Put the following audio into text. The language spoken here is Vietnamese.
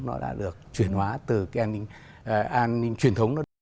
nó đã được chuyển hóa từ cái an ninh truyền thống